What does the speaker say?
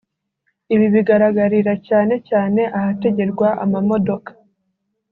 Ibi bigaragarira cyane cyane ahategerwa amamodoka